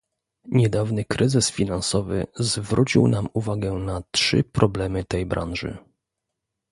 Niedawny kryzys finansowy zwrócił nam uwagę na trzy problemy tej branży